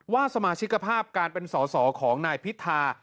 สมาชิกภาพการเป็นสอสอของนายพิธา